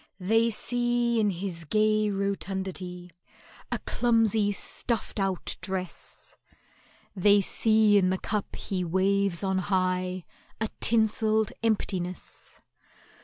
They see in his gay rotundity A clumsy stuffed out dress— They see in the cup he waves on high A tinselled emptiness.